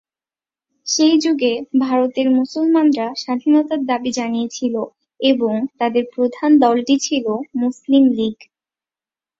সেই যুগে ভারতের মুসলমানরা স্বাধীনতার দাবি জানিয়েছিল এবং তাদের প্রধান দলটি ছিল মুসলিম লীগ।